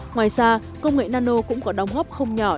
ngoài ra công nghệ nano cũng có đóng góp không nhỏ